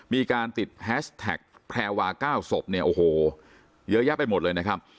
มีการติดแฮชแท็กแพรวา๙ศพเนี่ยโอ้โหเยอะแยะไปหมดเลยนะครับ